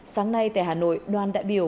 sáng nay tại hà nội đoàn đại biểu